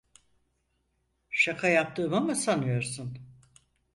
Şaka yaptığımı mı sanıyorsun?